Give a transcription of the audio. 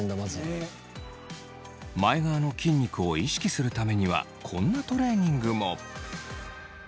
前側の筋肉を意識するためにはこんなトレーニングも。